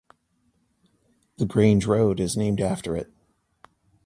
The "Grange Road" is named after it.